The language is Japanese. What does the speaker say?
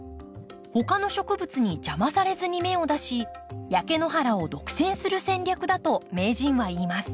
他の植物に邪魔されずに芽を出し焼け野原を独占する戦略だと名人はいいます。